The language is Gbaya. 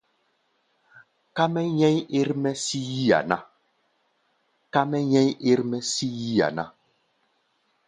Ká mɛ́ nyɛ̧́í̧ ér-mɛ́ sí yí-a ná.